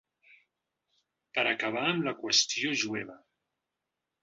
Per acabar amb la qüestió jueva.